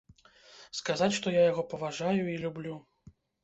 Сказаць, што я яго паважаю і люблю.